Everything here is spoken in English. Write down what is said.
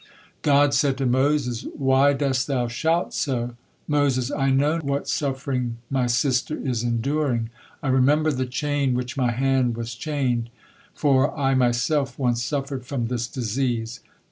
God said to Moses: "Why dost thou shout so?" Moses: "I know what suffering my sister is enduring. I remember the chain which my hand was chained, for I myself once suffered from this disease."